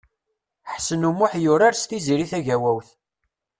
Ḥsen U Muḥ yurar s Tiziri Tagawawt.